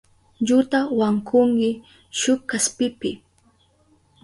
Iluta wankunki shuk kaspipi.